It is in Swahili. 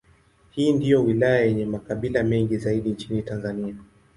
Hii ndiyo wilaya yenye makabila mengi zaidi nchini Tanzania.